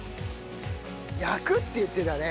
焼くって言ってたね。